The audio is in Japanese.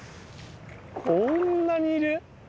こんなにいる？